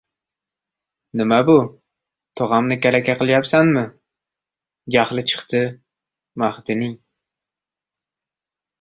— Nima bu, tog‘amni kalaka qilayapsanmi? — jahli chiqdi Mahdining.